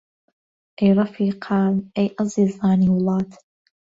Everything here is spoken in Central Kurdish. ئەی ڕەفیقان، ئەی عەزیزانی وڵات!